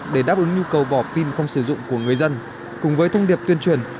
để đáp ứng nhu cầu bỏ pin không sử dụng của người dân cùng với thông điệp tuyên truyền